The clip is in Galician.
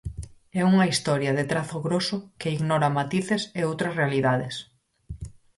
É unha historia de trazo groso que ignora matices e outras realidades.